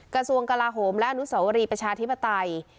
กระทรวงกลาโหมและอนุสวรีประชาธิปไตย